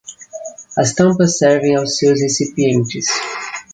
As tampas servem aos seus recipientes